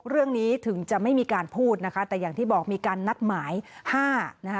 เรื่องนี้ถึงจะไม่มีการพูดนะคะแต่อย่างที่บอกมีการนัดหมายห้านะคะ